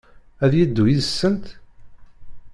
Ad yeddu yid-sent?